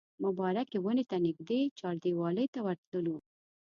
مبارکې ونې ته نږدې چاردیوالۍ ته ورتللو.